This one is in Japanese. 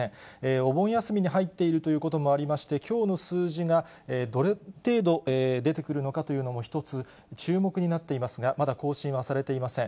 お盆休みに入っているということもありまして、きょうの数字がどの程度出てくるのかというのも一つ、注目になっていますが、まだ更新はされていません。